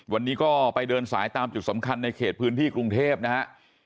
วันนี้ก็ไปเดินสายตามจุดสำคัญในเขตพื้นที่กรุงเทพนะฮะ